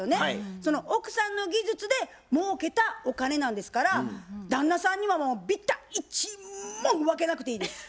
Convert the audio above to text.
その奥さんの技術でもうけたお金なんですから旦那さんにはもうびた一文分けなくていいです。